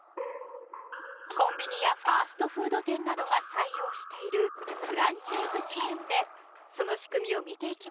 コンビニやファストフード店などが採用している「フランチャイズチェーン」でその仕組みを見ていきましょう。